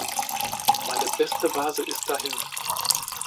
Meine beste Vase ist dahin.